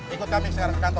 ikut kami sekarang kantor